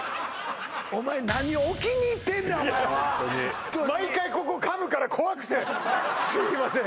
お前何を置きにいってんねんお前は毎回ここ噛むから怖くてすいません